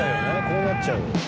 こうなっちゃうよ。